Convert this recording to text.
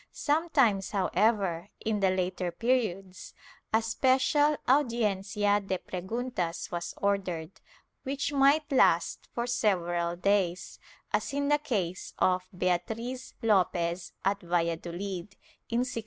Sometimes, however, in the later periods a special audiencia de preguntas was ordered, which might last for several days, as in the case of Beatriz Lopez, at Valladolid, in 1697.